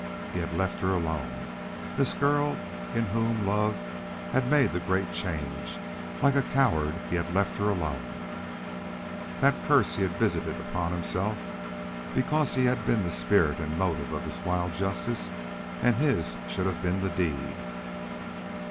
He had left her alone, this girl in whom love had made the great change like a coward he had left her alone. That curse he visited upon himself because he had been the spirit and the motive of this wild justice, and his should have been the deed.